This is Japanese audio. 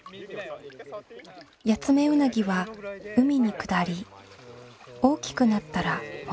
ヤツメウナギは海に下り大きくなったら戻ってくる。